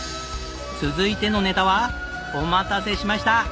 続いてのネタはお待たせしました！